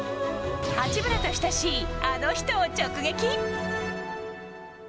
八村と親しいあの人を直撃。